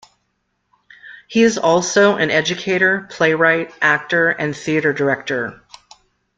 He is also an educator, playwright, actor and theatre director.